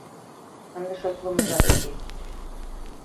Ынде шотлымыжат уке.